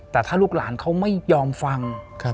แต่ถ้าลูกหลานเขาไม่ยอมฟัง